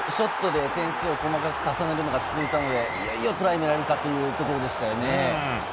ショットで点数を止めて、細かく稼いだのが続いたので、いよいよトライになるかというシーンでしたね。